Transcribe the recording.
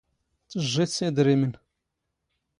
ⵜⵊⵊⵉⵜ ⵙ ⵉⴷⵔⵉⵎⵏ.